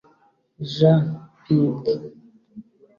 Jean Ping